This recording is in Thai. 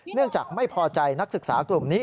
เนื่องจากไม่พอใจนักศึกษากลุ่มนี้